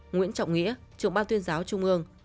nguyễn trọng nghĩa trưởng ban tuyên giáo trung mương